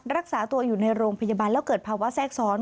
รักษาตัวอยู่ในโรงพยาบาลแล้วเกิดภาวะแทรกซ้อน